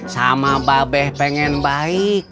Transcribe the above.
sama babeh pengen baik